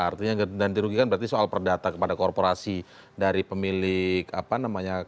artinya ganti rugikan berarti soal perdata kepada korporasi dari pemilik apa namanya